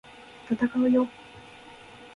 闘うよ！！